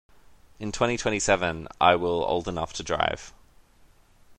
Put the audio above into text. In twenty-twenty-seven I will old enough to drive.